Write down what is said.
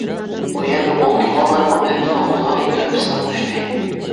بۇ يەردە ئولتۇرغانلارمۇ ئۆزىنىڭ زور تۆپىسىنى قوشتى.